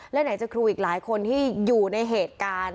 และไหนจะครูอีกหลายคนที่อยู่ในเหตุการณ์